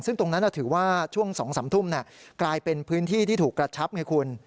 ซึ่งตรงนั้นถือว่าช่วง๒๓ทุ่มกลายเป็นพื้นที่ที่ถูกกระชับไงคุณ